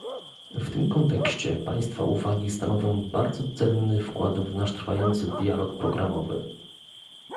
W tym kontekście Państwa uwagi stanowią bardzo cenny wkład w nasz trwający dialog programowy